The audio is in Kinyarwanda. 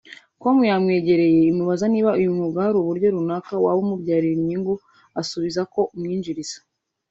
com yamwegereye imubaza niba uyu mwuga hari uburyo runaka waba umubyarira inyungu asubiza ko umwinjiriza